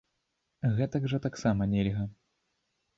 Гэтак жа таксама нельга!